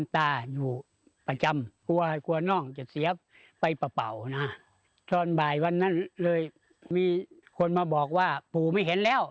ตอนบ่ายวันนั้นเลยมีคนมาบอกว่าปู่ไม่เห็นแล้ว